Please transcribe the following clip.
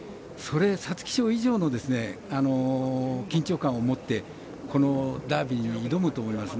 皐月賞以上の緊張感を持ってこのダービーに挑むと思います。